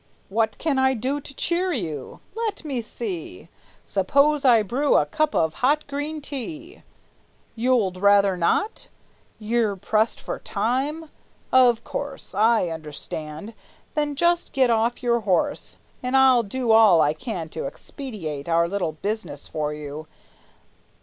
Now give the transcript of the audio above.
What can I do to cheer you? Let me see; Suppose I brew a cup of hot green tea? You'ld rather not? You're pressed for time? Of course, I understand; then just get off your horse, And I'll do all I can to expedite Our little business for you.